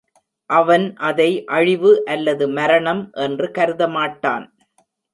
அவன் அதை அழிவு அல்லது மரணம் என்று கருத மாட்டான்.